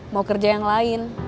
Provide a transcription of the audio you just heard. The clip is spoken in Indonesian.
mau kerja yang lain